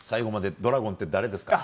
ドラゴンって誰ですか？